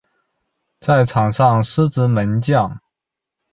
在场上司职门将。